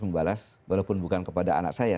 membalas walaupun bukan kepada anak saya